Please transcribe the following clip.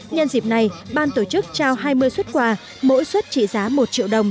nhân dịp này ban tổ chức trao hai mươi xuất quà mỗi xuất trị giá một triệu đồng